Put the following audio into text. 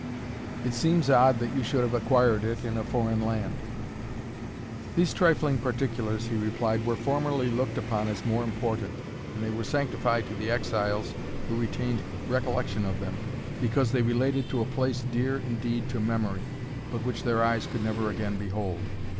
It seems odd that you should have acquired it in a foreign land." "These trifling particulars," he replied, "were formerly looked upon as more important, and they were sanctified to the exiles who retained recollection of them, because they related to a place dear indeed to memory, but which their eyes could never again behold.